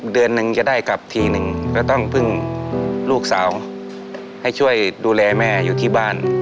เดือนหนึ่งจะได้กลับทีหนึ่งก็ต้องพึ่งลูกสาวให้ช่วยดูแลแม่อยู่ที่บ้าน